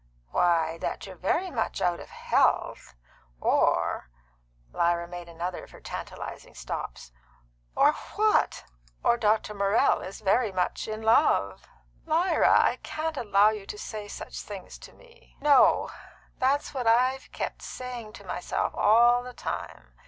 "Why, that you're very much out of health, or " Lyra made another of her tantalising stops. "Or what?" "Or Dr. Morrell is very much in love." "Lyra, I can't allow you to say such things to me." "No; that's what I've kept saying to myself all the time.